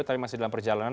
tapi masih dalam perjalanan